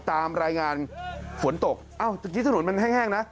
ตามรายงานฝนตกจังกี้ถนนมันแห้งนะ